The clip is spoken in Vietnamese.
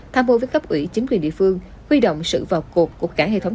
tham mô với cấp ủy chính quyền địa phương huy động sự vào cuộc của cả hệ thống